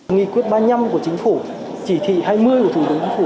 nghị quyết ba mươi năm của chính phủ chỉ thị hai mươi của thủ tướng chính phủ